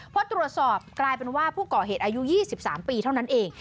พอตรวจสอบกลายเป็นว่าผู้ก่อเหตุอายุ๒๓ปีเท่านั้นเอง